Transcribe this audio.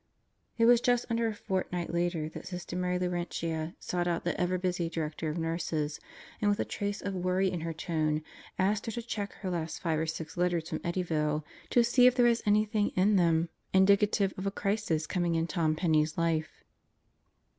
It was just under a fortnight later that Sister Mary Laurentia sought out the ever busy Director of Nurses and with a trace of a worry in her tone asked her to check her last five or six letters from Eddyville to see if there was anything in them indicative of a crisis coming in Tom Penney's life.